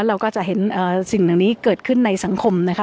เราก็จะเห็นสิ่งเหล่านี้เกิดขึ้นในสังคมนะคะ